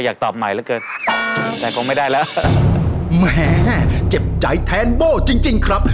อยากตอบใหม่เหลือเกินแต่คงไม่ได้แล้วแหมเจ็บใจแทนโบ้จริงจริงครับ